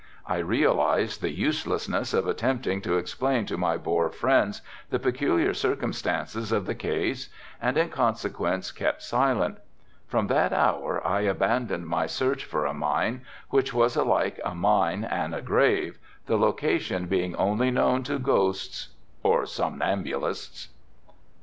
I realized the uselessness of attempting to explain to my Boer friends the peculiar circumstances of the case and in consequence kept silent. From that hour I abandoned my search for a mine, which was alike a mine and a grave, the location being only known to ghosts or somnambulists.